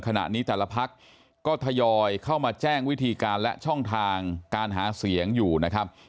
ขณะนี้แต่ละพักก็ทยอยเข้ามาแจ้งวิธีการและช่องทางการหาเสียงอยู่นะครับ